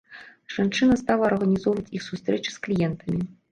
Жанчына стала арганізоўваць іх сустрэчы з кліентамі.